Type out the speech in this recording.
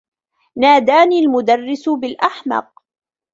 ناداني المدرّس بالأحمق.